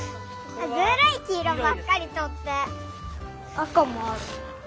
あかもある。